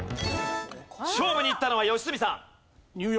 勝負にいったのは良純さん。